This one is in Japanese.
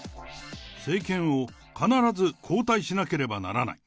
政権を必ず交代しなければならない。